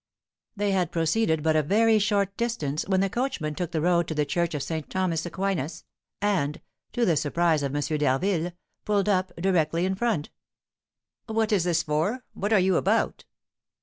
They had proceeded but a very short distance, when the coachman took the road to the church of St. Thomas Aquinas, and, to the surprise of M. d'Harville, pulled up directly in front. "What is this for? What are you about?"